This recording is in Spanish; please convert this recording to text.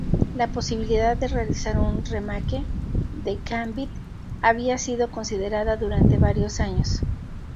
La posibilidad de realizar un remake de "Gambit" había sido considerada durante varios años.